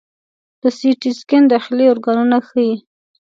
د سی ټي سکین داخلي ارګانونه ښيي.